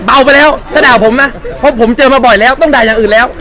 ไปแล้วถ้าด่าผมนะเพราะผมเจอมาบ่อยแล้วต้องด่าอย่างอื่นแล้ว